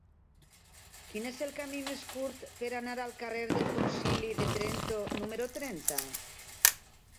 Quin és el camí més curt per anar al carrer del Concili de Trento número trenta?